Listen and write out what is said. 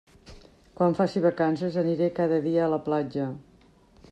Quan faci vacances aniré cada dia a la platja.